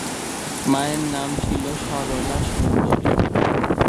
মায়ের নাম ছিল সরলা সুন্দরী।